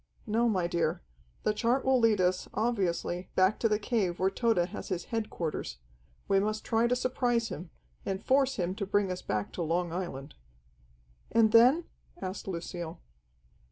"No, my dear. The chart will lead us, obviously, back to the cave where Tode has his headquarters. We must try to surprise him, and force him to bring us back to Long Island." "And then?" asked Lucille.